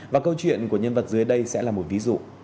và câu chuyện của nhân vật dưới đây sẽ là một ví dụ